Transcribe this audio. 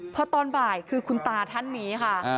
พอตอนบ่ายคือคุณตาท่านนี้ค่ะ